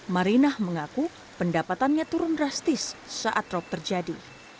marina mengaku pendapatannya turun drastis saat rob terjadi